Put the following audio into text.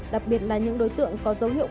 đặc biệt là những đối tượng có dấu hiệu